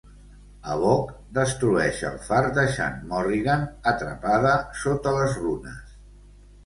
Havok destrueix el far deixant Morrigan atrapada sota les runes.